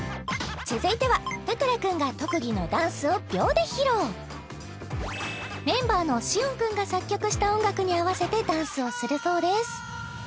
続いては田倉君が特技のダンスを秒で披露メンバーの志音君が作曲した音楽に合わせてダンスをするそうです